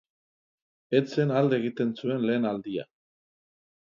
Ez zen alde egiten zuen lehen aldia.